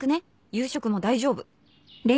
「夕食も大丈夫！」